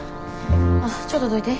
あっちょっとどいて。